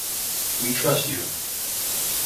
We trust you.